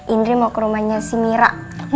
indri mau ke rumahnya si mira